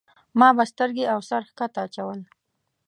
ما به سترګې او سر ښکته اچول.